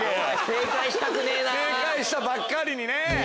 正解したばっかりにね。